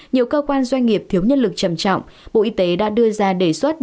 nhiều cơ quan doanh nghiệp thiếu nhân lực trầm trọng bộ y tế đã đưa ra đề xuất